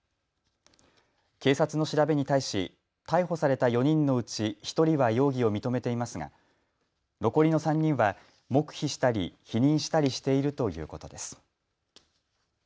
警察の調べに対し逮捕された４人のうち１人は容疑を認めていますが残りの３人は黙秘したり否認したりしているということです。